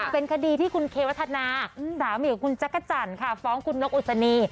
เป็นคดีที่คุณเควธนาดามีวิวิวิวิกับคุณจั๊กษ์จันฟ้องคุณนกอุสนี